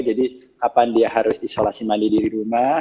jadi kapan dia harus isolasi mandiri di rumah